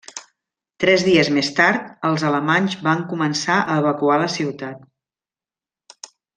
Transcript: Tres dies més tard, els alemanys van començar a evacuar la ciutat.